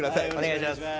お願いします。